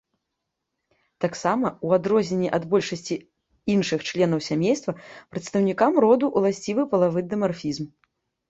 Таксама, у адрозненне ад большасці іншых членаў сямейства, прадстаўнікам роду ўласцівы палавы дымарфізм.